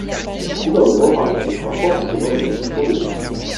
Le Gouvernement parle d’un effort sans précédent de réduction des déficits.